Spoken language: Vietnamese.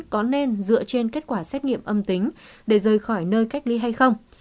có nên dựa trên kết quả xét nghiệm âm tính để rời khỏi nơi cách ly hay không